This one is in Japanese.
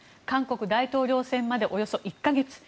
韓国大統領選までおよそ１か月。